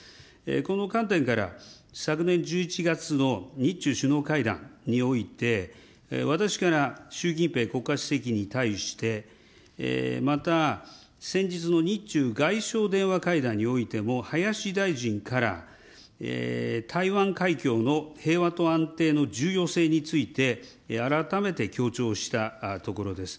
この観点から、昨年１１月の日中首脳会談において、私から習近平国家主席に対して、また、先日の日中外相電話会談においても、林大臣から、台湾海峡の平和と安定の重要性について改めて強調したところです。